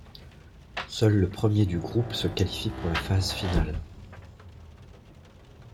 Seuls le premier du groupe se qualifie pour la phase finale.